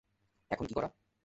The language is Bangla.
এখন কী করা?